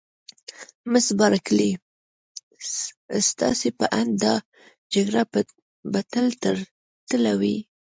مس بارکلي: ستاسي په اند دا جګړه به تل تر تله وي؟